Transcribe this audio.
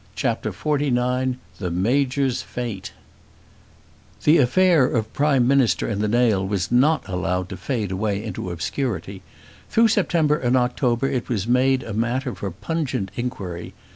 CHAPTER XLIX The Major's Fate The affair of Prime Minister and the nail was not allowed to fade away into obscurity. Through September and October it was made matter for pungent inquiry.